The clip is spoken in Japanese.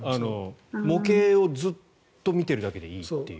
模型をずっと見ているだけでいいという。